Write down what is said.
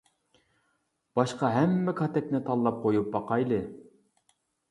باشقا ھەممە كاتەكنى تاللاپ قۇيۇپ باقايلى.